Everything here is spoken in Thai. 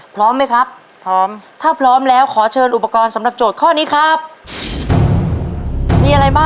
พร้อมมั้ยครับพร้อมถ้าพร้อมแล้วขอเชิญอุปกรณ์สำหรับโจทย์ข้อนี้ครับ